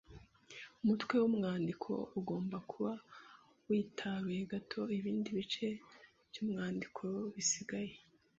Umutwe w’umwandiko ugomba kuba witaruye gato ibindi bice by’umwandiko bisigaye